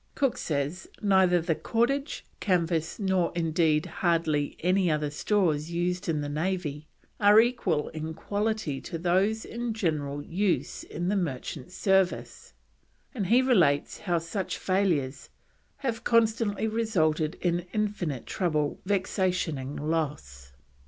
Cook says, "neither the cordage, canvas, nor indeed hardly any other stores used in the Navy, are equal in quality to those in general use in the merchant service"; and he relates how such failures have constantly resulted in "infinite trouble, vexation, and loss."